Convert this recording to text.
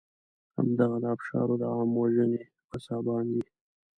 همدغه د آبشارو د عام وژنې قصابان دي.